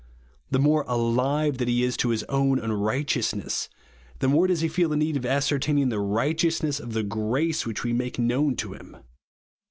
The more alive that he is to his own unrighteousness, the more does he feel the need of ascertaining the right eousness of the grace which we make known to him.